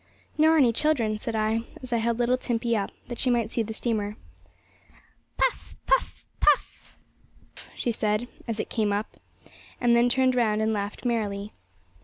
'Nor any children,' said I, as I held little Timpey up, that she might see the steamer. 'Puff, puff, puff,' she said, as it came up, and then turned round and laughed merrily.